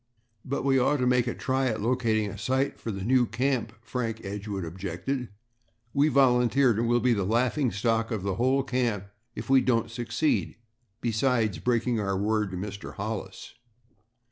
"But we ought to make a try at locating a site for the new camp," Frank Edgewood objected. "We volunteered, and we'll be the laughing stock of the whole camp if we don't succeed, besides breaking our word to Mr. Hollis."